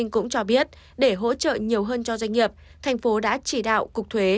cũng cho biết để hỗ trợ nhiều hơn cho doanh nghiệp thành phố đã chỉ đạo cục thuế